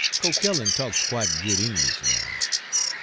Coquelin talks quite good English now.